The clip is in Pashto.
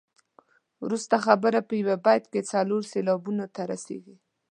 وروسته خبره په یو بیت کې څلور سېلابونو ته رسيږي.